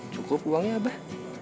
cukup uangnya abah